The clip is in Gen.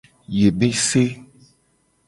Yebese.